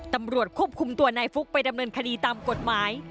ตำรวจควบคุมตัวนายฟุกไปดำเนินคดีตามกฎหมาย